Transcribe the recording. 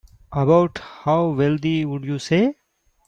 About how wealthy would you say?